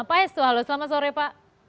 pak es halo selamat sore pak